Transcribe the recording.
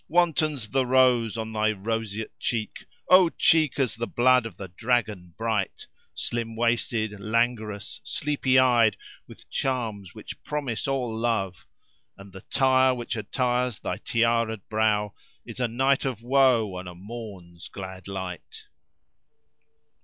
Wantons the rose on thy roseate cheek, * O cheek as the blood of the dragon[FN#335] bright! Slim waisted, languorous, sleepy eyed, * With charms which promise all love delight: And the tire which attires thy tiara'd brow * Is a night of woe on a morn's glad light.